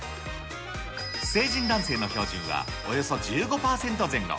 成人男性の標準はおよそ１５％前後。